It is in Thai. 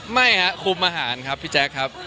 ไม่ครับคุมอาหารครับพี่แจ๊คครับ